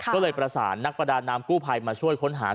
ก็เลยประสานนักประดาน้ำกู้ภัยมาช่วยค้นหา